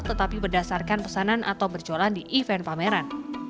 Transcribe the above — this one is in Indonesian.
tetapi berdasarkan pesanan atau berjualan di event pameran